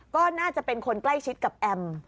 ก็น่าจะเป็นคนใกล้ชิดกับแอม